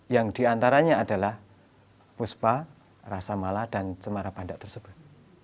yang diantaranya adalah puspa rasa mala dan cemara panda tersebut